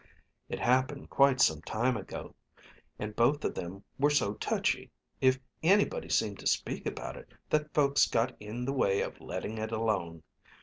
"It happened quite some time ago. And both of them were so touchy, if anybody seemed to speak about it, that folks got in the way of letting it alone.